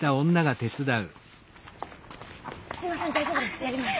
すいません大丈夫ですやります。